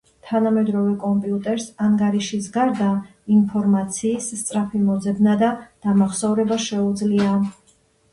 თანამედროვე კომპიუტერს ანგარიშის გარდა, ინფორმაციის სწრაფი მოძებნა და დამახსოვრება შეუძლია.